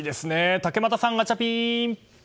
竹俣さん、ガチャピン。